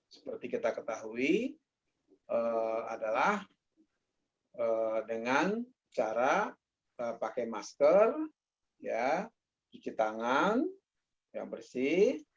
seperti kita ketahui adalah dengan cara pakai masker cuci tangan yang bersih